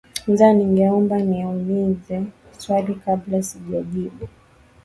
nza ningeomba ni ulize swali kabla sijajibu